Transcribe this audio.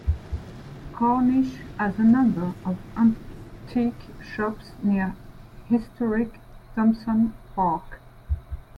Cornish has a number of antique shops near historic Thompson Park.